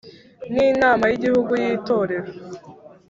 n Inama y igihugu yitorero